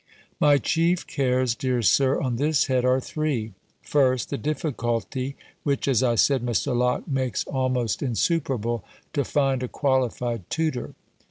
My chief cares, dear Sir, on this head, are three: 1st, The difficulty which, as I said, Mr. Locke makes almost insuperable, to find a qualified tutor.